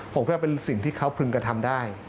ผมคิดว่าเป็นสิ่งที่เขาพึงกระทำได้